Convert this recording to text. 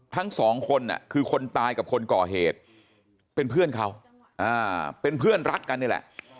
ทั้งสองคนคือคนตายกับคนก่อเหตุเป็นเพื่อนเขาเป็นเพื่อนรักกันนี่แหละ